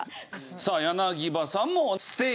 さあ柳葉さんもステイすると。